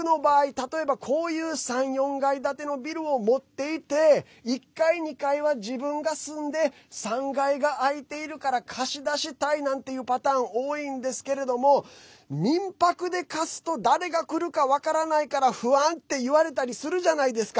例えばこういう３４階建てのビルを持っていて１階２階は自分が住んで３階が開いてるから貸し出したいっていうパターンが多いんですけど民泊で貸すと誰が来るか分からないから不安って言われたりするじゃないですか。